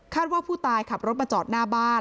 ว่าผู้ตายขับรถมาจอดหน้าบ้าน